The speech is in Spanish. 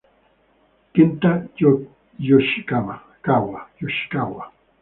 Kenta Yoshikawa